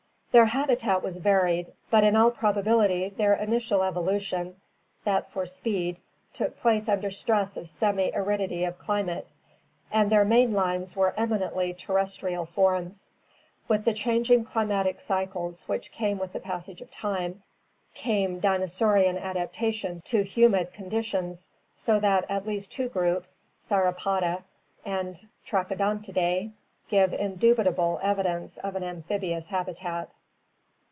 — Their habitat was varied, but in all probability their initial evolution, that for speed, took place under stress of semi aridity of climate, and their main lines were eminently terrestrial forms. With the changing climatic cycles, which came with the passage of time, came dinosaurian adaptation to humid conditions, 504 ORGANIC EVOLUTION so that at least two groups, Sauropoda and Trachodontidae, give indubitable evidence of an amphibious habitat.